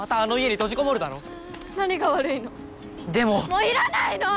もういらないの！